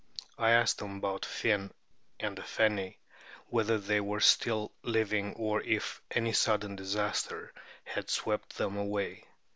I asked them about Finn and the Feni; whether they were still living, or if any sudden disaster had swept them away.